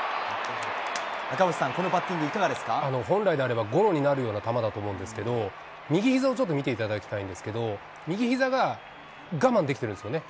赤星さん、本来であれば、ゴロになるような球だと思うんですけど、右ひざをちょっと見ていただきたいんですけど、右ひざが我慢できてるんですよね。